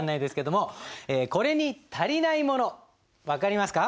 これに足りないもの分かりますか？